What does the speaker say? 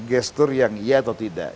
gestur yang iya atau tidak